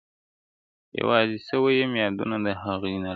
يوازې سوی يم يادونه د هغې نه راځي~~